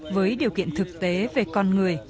với điều kiện thực tế về con người